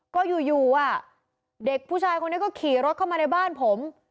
ก็อยู่เด็กผู้ชายคนนี้ก็ขี่รถเข้ามาในบ้านผม